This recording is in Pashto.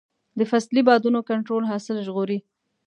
د فصلي بادونو کنټرول حاصل ژغوري.